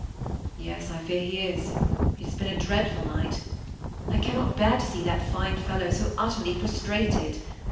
^ Yes, I fear he is ; it has been a dreadful night. I cannot bear to see that fine fellow so utterly prostrated.